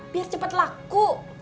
biar cepet laku